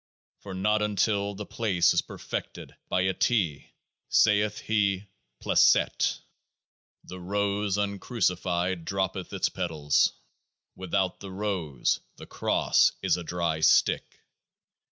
For not until the PLACE is perfected by a T saith he PLACET. The Rose uncrucified droppeth its petals ; without the Rose the Cross is a dry stick.